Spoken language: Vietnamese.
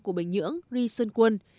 của bình nhưỡng ri sơn quân